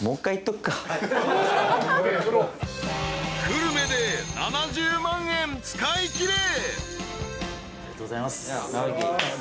［久留米で７０万円使いきれ］